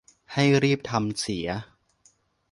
ให้รีบทำเสีย